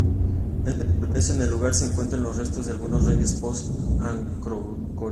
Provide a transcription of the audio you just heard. En el lugar se encuentran los restos de algunos reyes post-angkorianos.